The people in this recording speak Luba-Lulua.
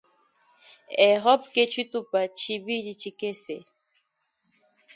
Europe ke tshitupa tshibidi tshikese.